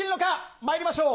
まいりましょう。